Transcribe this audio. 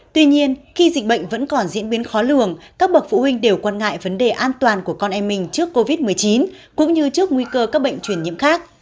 tuy nhiên khi dịch bệnh vẫn còn diễn biến khó lường các bậc phụ huynh đều quan ngại vấn đề an toàn của con em mình trước covid một mươi chín cũng như trước nguy cơ các bệnh truyền nhiễm khác